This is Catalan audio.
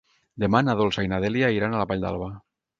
Demà na Dolça i na Dèlia iran a la Vall d'Alba.